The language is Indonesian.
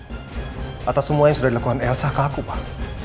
aku akan melakukan apa yang sudah dilakukan elsa ke aku pak